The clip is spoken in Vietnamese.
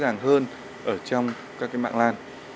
dễ dàng hơn ở trong các mạng lan